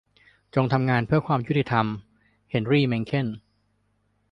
จงทำงานเพื่อความยุติธรรม - เฮนรี เมงเคน